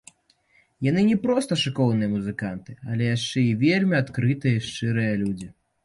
Яны не проста шыкоўныя музыканты, але яшчэ і вельмі адкрытыя і шчырыя людзі.